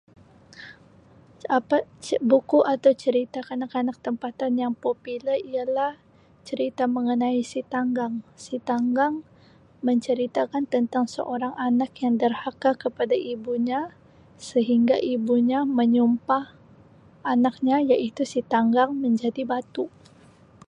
Apa ce buku atau cerita kanak-kanak tempatan yang popular ialah cerita mengenai si tanggang, si tanggang menceritakan tentang seorang anak yang derhaka kepada ibunya sehingga ibunya menyumpah anaknya iaitu si tanggang menjadi batu.